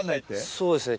そうですね。